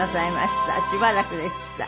しばらくでした。